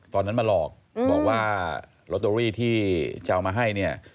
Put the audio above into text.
ตอนนั้นมาหลอกบอกว่าลอตเตอรี่ที่จะเอามาให้เนี่ย